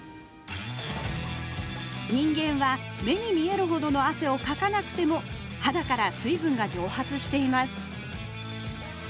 人間は目に見えるほどの汗をかかなくても肌から水分が蒸発しています